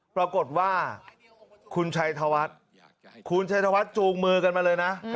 ปรากฏว่าคุณชัยธวัฒน์คุณชัยธวัฒน์จูงมือกันมาเลยนะ